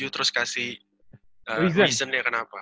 terus kasih reasonnya kenapa